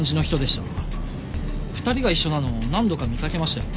２人が一緒なの何度か見掛けましたよ。